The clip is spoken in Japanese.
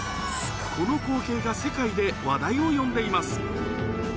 この光景が世界で話題を呼んでいます